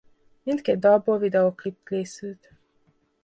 Mindkét dalból videóklip készült.